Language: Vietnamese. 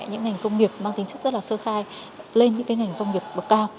những ngành công nghiệp mang tính chất rất là sơ khai lên những ngành công nghiệp bậc cao